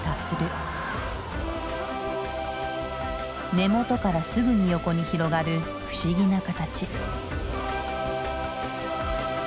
根元からすぐに横に広がる不思議な形。